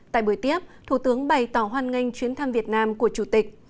tại buổi tiếp thủ tướng bày tỏ hoan nghênh chuyến thăm việt nam của chủ tịch